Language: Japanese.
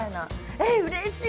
えっ、うれしい！